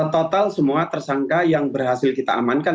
total semua tersangka yang berhasil kita amankan